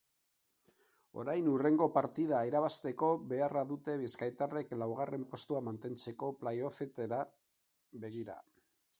Orain hurrengo partida irabazteko beharra dute bizkaitarrek laugarren postua mantentzeko, play-offetara begira.